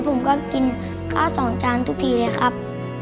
ผมก็กินข้าวสองจานทุกทีเลยครับ